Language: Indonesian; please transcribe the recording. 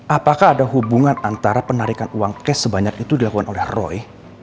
apakah ada hubungan antara penarikan uang cash sebanyak itu dilakukan oleh roy